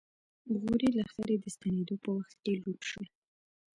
د غوري لښکرې د ستنېدو په وخت کې لوټ شول.